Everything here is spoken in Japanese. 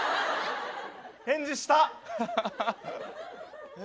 返事した！